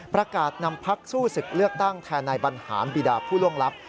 ประกาศนำพักสู้ศึกเลือกตั้งแทนนายบรรหารบีดาผู้ล่วงลับ